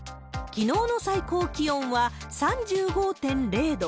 きのうの最高気温は、３５．０度。